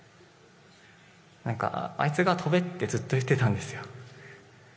なんか、あいつが跳べってずっと言ってたんですよ。